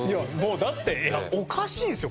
だっておかしいですよ